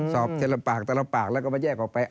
สอบแต่ละปากแต่ละปากแล้วก็มาแยกออกไป